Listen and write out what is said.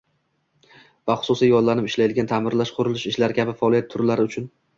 va xususiy yollanib ishlaydigan ta’mirlash-qurilish ishlari kabi faoliyat turlari uchun